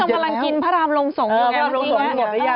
คุณผู้ชมกำลังกินพระรามลงสงฆ์อยู่ไง